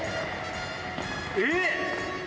えっ？